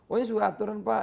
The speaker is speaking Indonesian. oh ini sesuai aturan pak